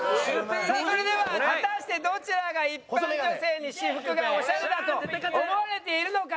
それでは果たしてどちらが一般女性に私服がオシャレだと思われているのか？